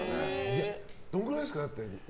どのくらいですか？